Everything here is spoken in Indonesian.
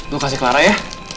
lo kasih clara ya